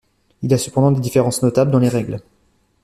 Il y a cependant des différences notables dans les règles.